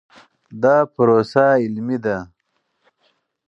دا پروسه علمي ده.